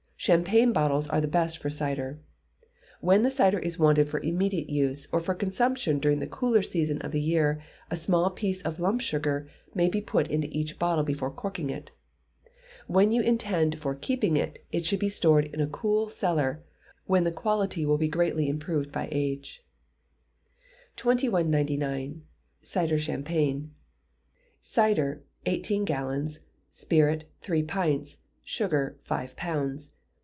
Champagne bottles are the best for cider. When the cider is wanted for immediate use, or for consumption during the cooler season of the year, a small piece of lump sugar may be put into each bottle before corking it. When intended for keeping, it should be stored in a cool cellar, when the quality will be greatly improved by age. 2199. Cider Champagne. Cider, eighteen gallons; spirit, three pints; sugar, five pounds.